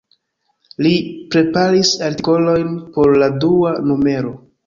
Li preparis artikolojn por la dua numero.